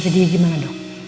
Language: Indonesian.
jadi gimana dok